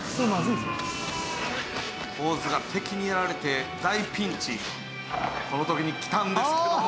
「オーズが敵にやられて大ピンチ」「その時に来たんですけども」